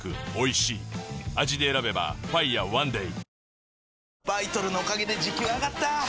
味で選べば「ＦＩＲＥＯＮＥＤＡＹ」